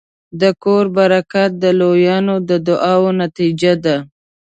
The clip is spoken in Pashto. د کور برکت د لویانو د دعاوو نتیجه ده.